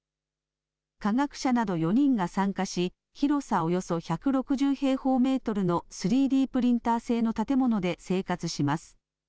科学者など４人が参加し、広さおよそ１６０平方メートルの３Ｄプリンター製の建物で生活します。